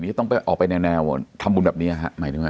ที่ต้องไปออกไปแนวแนวทำบุญแบบเนี้ยค่ะหมายถึงไง